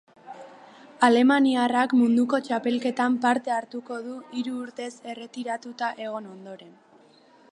Alemaniarrak munduko txapelketan parte hartuko du hiru urtez erretiratuta egon ondoren.